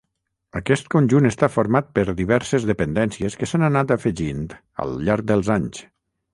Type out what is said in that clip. Aquest conjunt està format per diverses dependències que s'han anat afegint al llarg dels anys.